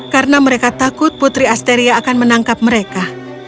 karena mereka takut putri asteria akan menangkap mereka